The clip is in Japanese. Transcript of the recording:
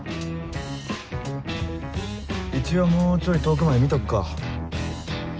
一応もうちょい遠くまで見とくか。